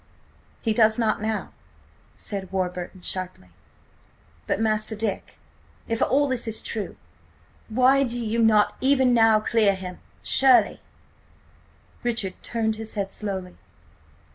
"He does not now!" said Warburton sharply. "But, Master Dick, if all this is true, why do you not even now clear him? Surely—" Richard turned his head slowly.